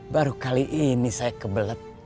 baru kali ini saya kebelet